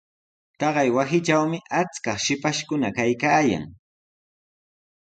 Taqay wasitrawmi achkaq shipashkuna kaykaayan.